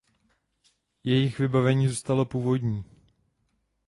Jejich vybavení zůstalo původní.